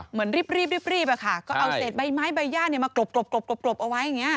เหมือนรีบอะค่ะก็เอาเศษใบไม้ใบย่ามากรบเอาไว้อย่างนี้